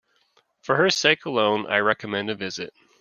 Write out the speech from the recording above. For her sake alone I recommend a visit.